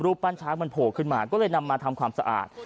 รูปทั้งใช้มันผ่มขึ้นมาก็เลยนำมาทำความสะอาด